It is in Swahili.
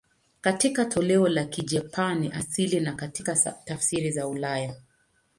Katika toleo la Kijapani asili na katika tafsiri za ulaya.